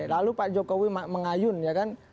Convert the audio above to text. lalu pak jokowi mengayun ya kan